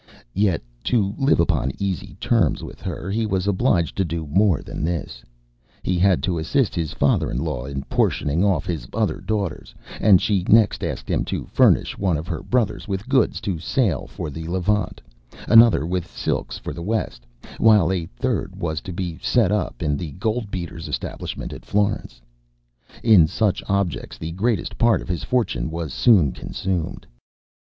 Yet, to live upon easy terms with her, he was obliged to do more than this; he had to assist his father in law in portioning off his other daughters; and she next asked him to furnish one of her brothers with goods to sail for the Levant, another with silks for the West, while a third was to be set up in a goldbeaterŌĆÖs establishment at Florence. In such objects the greatest part of his fortune was soon consumed.